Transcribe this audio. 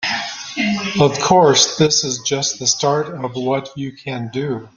Of course, this is just the start of what you can do.